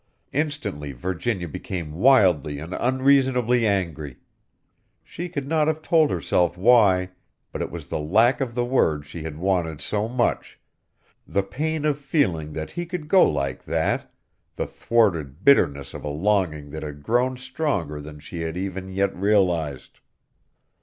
Instantly Virginia became wildly and unreasonably angry. She could not have told herself why, but it was the lack of the word she had wanted so much, the pain of feeling that he could go like that, the thwarted bitterness of a longing that had grown stronger than she had even yet realized.